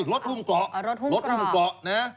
รถหุ้มเกาะ